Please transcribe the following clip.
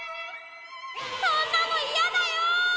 そんなのいやだよ！